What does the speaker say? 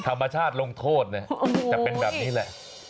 ธรรมชาติลงโทษเนี่ยจะเป็นแบบนี้แหละ